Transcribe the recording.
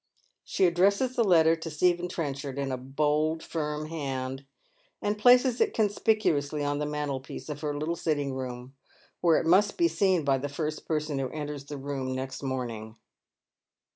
She addresses the letter to Stephen Trenchard in a hold, firm hand, and places it conspicuously on the mantelpiece of her little sitting room, where it miist be seen by the first pereon who enters the room next morning.